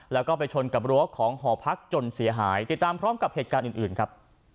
แล้วก็ไปชนกับรั้วของหอพักจนเสียหายติดตามพร้อมกับเหตุการณ์อื่นครับ